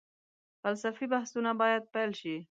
فلسفي بحثونه باید پيل شي.